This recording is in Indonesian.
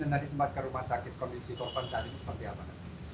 dan tadi sempat ke rumah sakit kondisi korban saat ini seperti apa